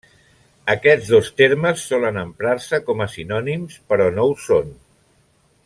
Aquests dos termes solen emprar-se com a sinònims, però no ho són.